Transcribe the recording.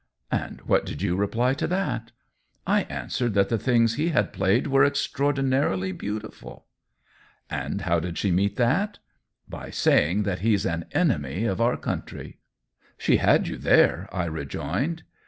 " And what did you reply to that ?"" I answered that the things he had played were extraordinarily beautiful." " And how did she meet that ?" "By saying that he's an enemy of our country." 120 COLLABORATION " She had you there," I rejoined.